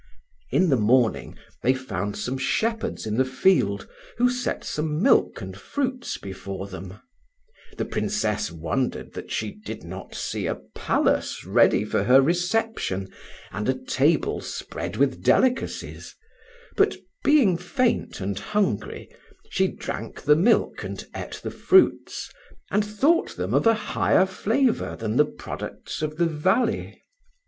In the morning they found some shepherds in the field, who set some milk and fruits before them. The Princess wondered that she did not see a palace ready for her reception and a table spread with delicacies; but being faint and hungry, she drank the milk and ate the fruits, and thought them of a higher flavour than the products of the valley.